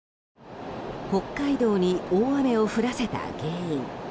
北海道に大雨を降らせた原因。